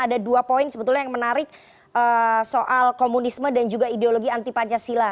ada dua poin sebetulnya yang menarik soal komunisme dan juga ideologi anti pancasila